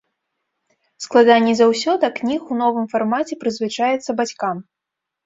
Складаней за ўсё да кніг у новым фармаце прызвычаіцца бацькам.